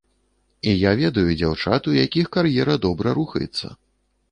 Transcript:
І я ведаю дзяўчат, у якіх кар'ера добра рухаецца.